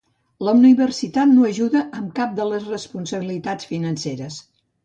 La universitat no ajuda amb cap de les responsabilitats financeres.